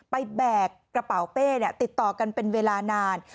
แบกกระเป๋าเป้ติดต่อกันเป็นเวลานาน